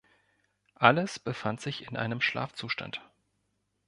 Alles befand sich in einem Schlafzustand.